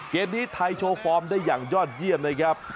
เกมนี้ไทยโชว์ฟอร์มได้อย่างยอดเยี่ยมนะครับ